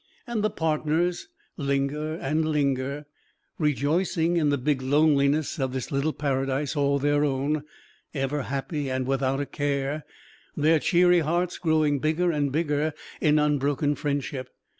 And the partners linger and linger, rejoicing in the big loneliness of this little paradise all their own, ever happy and without a care, their cheery hearts growing bigger and bigger in unbroken friendship.